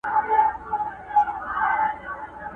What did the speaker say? ما له پلاره اورېدلي په کتاب کي مي لیدلي!!